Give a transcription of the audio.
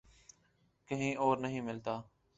کہیں اور نہیں ملتا۔